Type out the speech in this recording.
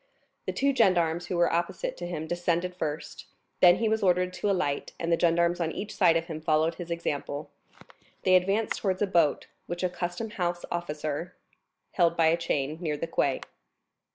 The two gendarmes who were opposite to him descended first, then he was ordered to alight and the gendarmes on each side of him followed his example. They advanced towards a boat, which a custom house officer held by a chain, near the quay.